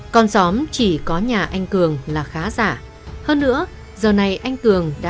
con xóm chỉ có nhà anh cường là khá giả hơn nữa giờ này anh cường đã đi làm